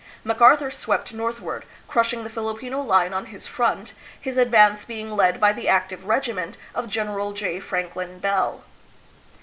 MacArthur swept northward, crushing the Filipino line on his front, his advance being led by the active regiment of General J. Franklin Bell.